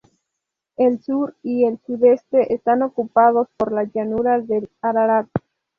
El sur y el sudeste están ocupados por la llanura del Ararat.